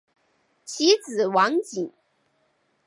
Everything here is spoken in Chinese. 其子王景。